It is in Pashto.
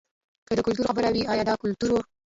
که د کلتور خبره وي ایا دا کلتور و.